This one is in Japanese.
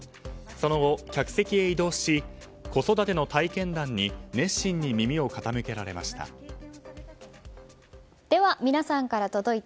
その後、客席へ移動し子育ての体験談に熱心に耳を傾けられました。